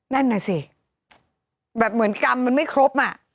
นั่นน่ะสิแบบเหมือนกรรมมันไม่ครบอ่ะ